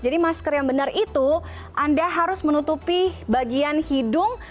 jadi masker yang benar itu anda harus menutupi bagian hidung